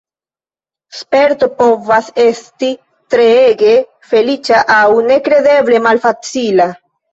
Sperto povas esti treege feliĉa aŭ nekredeble malfacila.